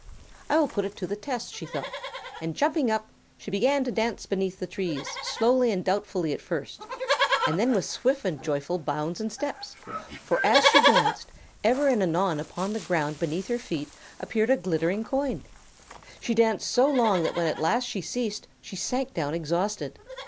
"I will put it to the test," she thought; and jumping up she began to dance beneath the trees, slowly and doubtfully at first, and then with swift and joyful bounds and steps, for as she danced, ever and anon upon the ground beneath her feet appeared a glittering coin. She danced so long that when at last she ceased she sank down exhausted.